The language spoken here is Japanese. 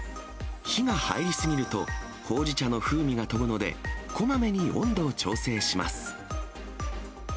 火が入り過ぎると、ほうじ茶の風味が飛ぶので、こまめに温度を調整します。